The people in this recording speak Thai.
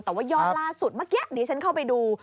แต่ว่ายอดล่าสุดเมื่อกี้ดิฉันเข้าไปดู